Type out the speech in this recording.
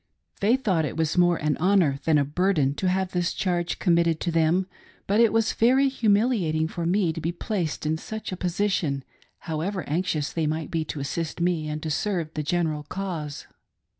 They thought it was more an honor than a burden to have this charge committed to them ; but it was very humiliating to me to be placed in such a position, however anxious they might be to assist me and to serve the general cause.